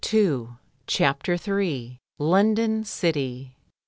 CHAPTER III. LONDON CITY.